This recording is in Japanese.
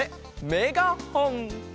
メガホン。